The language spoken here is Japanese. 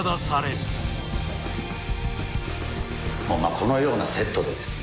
このようなセットでですね